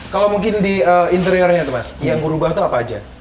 kalau mungkin di interiornya tuh mas yang merubah itu apa aja